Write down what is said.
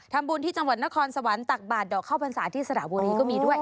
ทำบุญที่จังหวัดนครสวรรค์ตักบาทดอกข้าวพรรษาที่สระบุรีก็มีด้วย